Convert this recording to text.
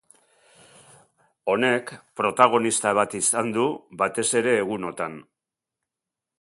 Honek, protagonista bat izan du batez ere egunotan.